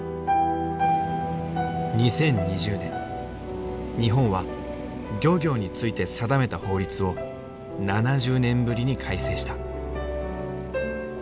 ２０２０年日本は漁業について定めた法律を７０年ぶりに改正した。